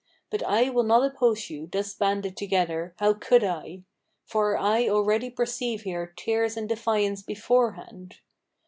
But I will not oppose you, thus banded together: how could I? For I already perceive here tears and defiance beforehand.